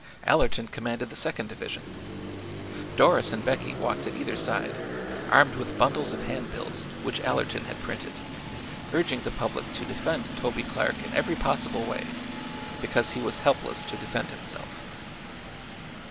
Allerton commanded the Second Division. Doris and Becky walked at either side, armed with bundles of handbills which Allerton had printed, urging the public to defend Toby Clark in every possible way, because he was helpless to defend himself.